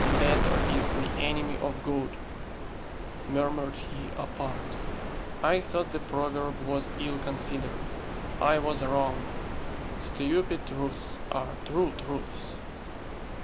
"'Better' is the enemy of 'good,'" murmured he apart. "I thought the proverb was ill considered. I was wrong. Stupid truths are true truths."